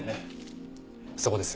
そこです。